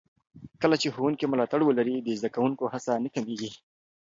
کله چې ښوونکي ملاتړ ولري، د زده کوونکو هڅه نه کمېږي.